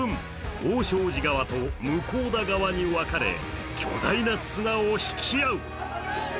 大小路側と向田側に分かれ、巨大な綱を引き合う。